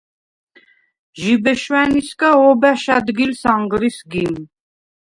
ჟიბე შვა̈ნისგა ობა̈შ ა̈დგილს ანღრი სგიმ.